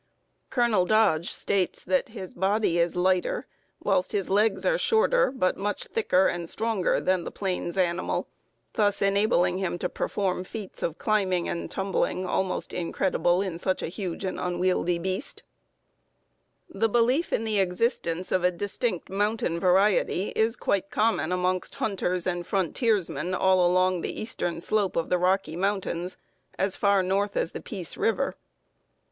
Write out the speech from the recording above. Colonel Dodge states that "His body is lighter, whilst his legs are shorter, but much thicker and stronger, than the plains animal, thus enabling him to perform feats of climbing and tumbling almost incredible in such a huge and unwieldy beast." [Note 32: Plains of the Great West, p. 144.] The belief in the existence of a distinct mountain variety is quite common amongst hunters and frontiersmen all along the eastern slope the Rocky Mountains as far north as the Peace River.